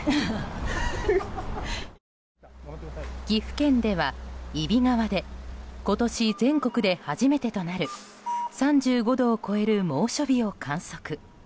岐阜県では揖斐川で今年全国で初めてとなる３５度を超える猛暑日を観測。